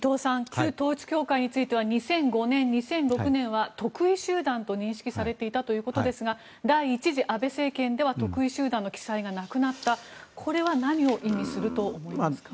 旧統一教会については２００５年、２００６年は特異集団と認識されていたということですが第１次安倍政権では特異集団の記載がなくなったこれは何を意味すると思いますか。